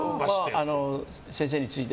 先生について。